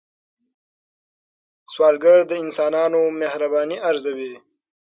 سوالګر د انسانانو مهرباني ارزوي